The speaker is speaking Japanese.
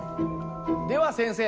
では先生